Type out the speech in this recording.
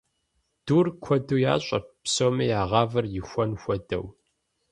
Дур куэду ящӏырт, псоми я гъавэр ихуэн хуэдэу.